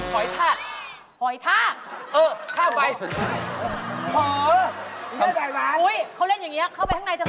หอยท่าหอยท่าเออท่าไปอุ๊ยเขาเล่นอย่างนี้เข้าไปข้างในเถอะค่ะ